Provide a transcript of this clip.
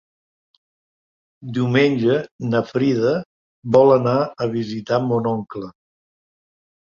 Diumenge na Frida vol anar a visitar mon oncle.